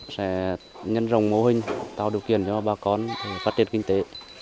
sẽ đạt được những mô hình tạo điều kiện cho bà con phát triển kinh tế